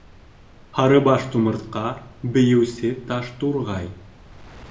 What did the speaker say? Һарыбаш Тумыртҡа, Бейеүсе Таш Турғай...